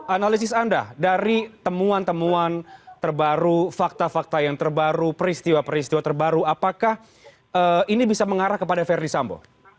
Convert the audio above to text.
analisis anda dari temuan temuan terbaru fakta fakta yang terbaru peristiwa peristiwa terbaru apakah ini bisa mengarah kepada verdi sambo